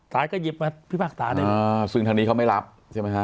ก็หยิบมาพิพากษาได้อ่าซึ่งทางนี้เขาไม่รับใช่ไหมฮะ